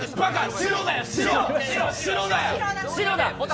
白だよ！